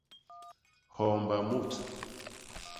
Hoomba mut.